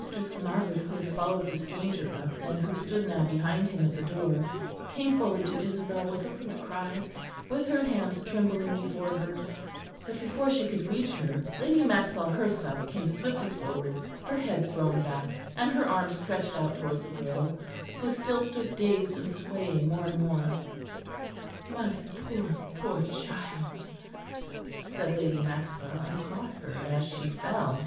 Mistress Margaret who had followed the stranger up, and who stood now behind him at the door, came forward to Isabel with a little cry, with her hands trembling before her. But before she could reach her, Lady Maxwell herself came swiftly forward, her head thrown back, and her arms stretched out towards the girl, who still stood dazed and swaying more and more. "My poor, poor child!" said Lady Maxwell; and caught her as she fell.